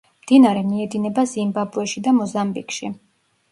მდინარე მიედინება ზიმბაბვეში და მოზამბიკში.